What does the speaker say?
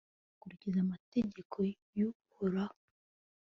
bagakurikiza amategeko y'uhoraho